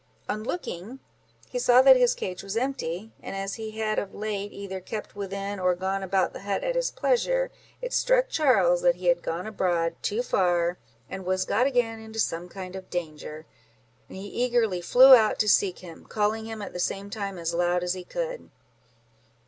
On looking, he saw that his cage was empty, and as he had of late either kept within, or gone about the hut at his pleasure, it struck Charles that he had gone abroad too far, and was got again into some kind of danger; and he eagerly flew out to seek him, calling him at the same time as loud as he could.